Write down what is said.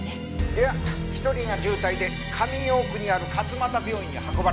いや１人が重体で上京区にある勝俣病院に運ばれたって。